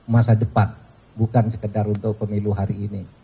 masa depan bukan sekedar untuk pemilu hari ini